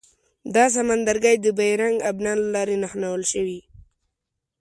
دا سمندرګي د بیرنګ ابنا له لارې نښلول شوي.